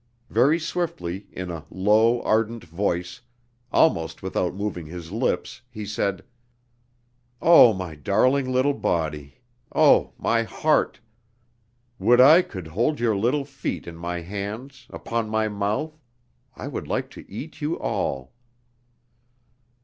Very swiftly, in a low ardent voice, almost without moving his lips, he said: "Oh, my darling little body! Oh, my heart! Would I could hold your little feet in my hands, upon my mouth.... I would like to eat you all...."